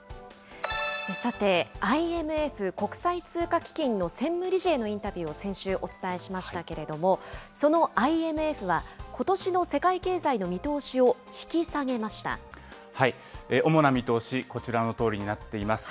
さて、ＩＭＦ・国際通貨基金の専務理事へのインタビューを先週お伝えしましたけれども、そのＩＭＦは、ことしの世界経済の見通しを引き主な見通し、こちらのとおりになっています。